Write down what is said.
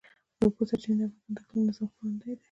د اوبو سرچینې د افغانستان د اقلیمي نظام ښکارندوی ده.